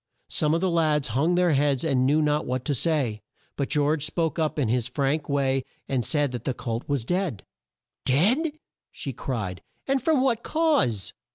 Some of the lads hung their heads and knew not what to say; but George spoke up in his frank way and said that the colt was dead. "Dead!" cried she; "and from what cause?"